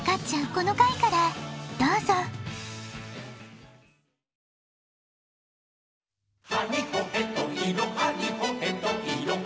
この回からどうぞ「はにほへといろはにほへといろは」